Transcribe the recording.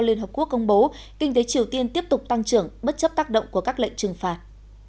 liên hợp quốc công bố kinh tế triều tiên tiếp tục tăng trưởng bất chấp tác động của các lệnh trừng phạt